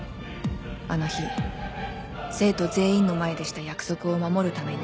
あの日生徒全員の前でした約束を守るために